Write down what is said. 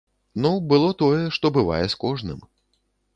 Ну, было тое, што бывае з кожным.